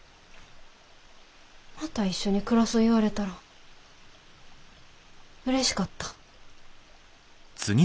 また一緒に暮らそ言われたらうれしかった。